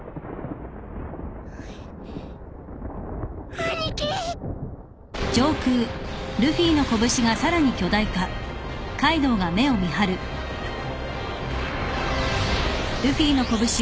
兄貴！がっ。